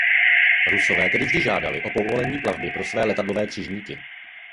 Rusové tedy vždy žádali o povolení plavby pro své „letadlové křižníky“.